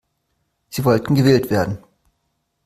Sie wollten gewählt werden.